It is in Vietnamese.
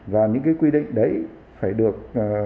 và những cái quy định đấy phải được